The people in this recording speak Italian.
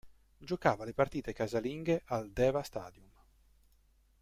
Giocava le partite casalinghe al Deva Stadium.